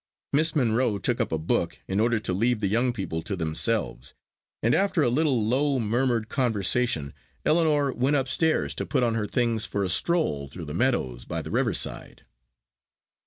Miss Monro took up a book, in order to leave the young people to themselves; and after a little low murmured conversation, Ellinor went upstairs to put on her things for a stroll through the meadows by the river side.